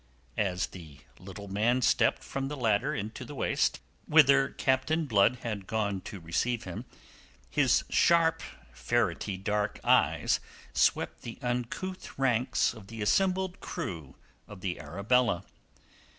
As the little man stepped from the ladder into the waist, whither Captain Blood had gone to receive him, his sharp, ferrety dark eyes swept the uncouth ranks of the assembled crew of the Arabella.